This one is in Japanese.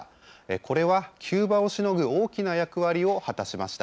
これは急場をしのぐ大きな役割を果たしました。